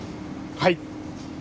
はい！